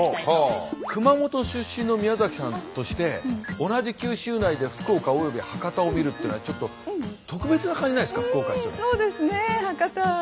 熊本出身の宮崎さんとして同じ九州内で福岡および博多を見るというのはちょっと特別な感じないですか？